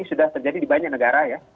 jadi sudah terjadi di banyak negara ya